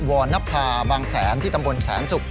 วรรณภาบางแสนที่ตำบลแสนศุกร์